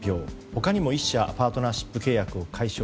他にも１社パートナーシップ契約を解消。